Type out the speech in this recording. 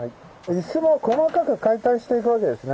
椅子も細かく解体していくわけですね。